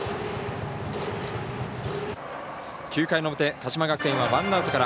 ９回の表、鹿島学園はワンアウトから。